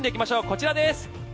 こちらです！